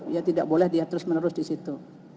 ya tidak boleh dia terus menerus disitu